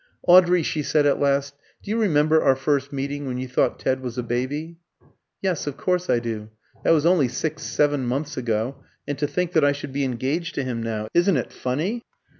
"Audrey," she said at last, "do you remember our first meeting, when you thought Ted was a baby?" "Yes, of course I do. That was only six, seven months ago; and to think that I should be engaged to him now! Isn't it funny?"